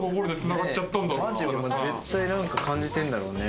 マジ絶対何か感じてんだろうね。